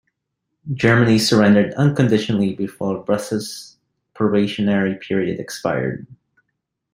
Germany surrendered unconditionally before Busse's probationary period expired.